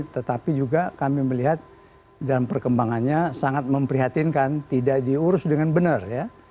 tetapi juga kami melihat dalam perkembangannya sangat memprihatinkan tidak diurus dengan benar ya